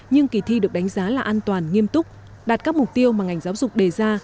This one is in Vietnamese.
nhưng kỳ thi được đánh giá là an toàn nghiêm túc đạt các mục tiêu mà ngành giáo dục đề ra